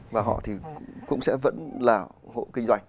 và họ thì cũng sẽ vẫn là hộ kinh doanh